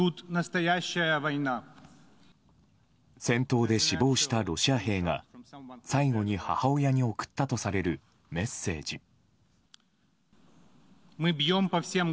戦闘で死亡したロシア兵が最後に母親に送ったとされるメッセージ。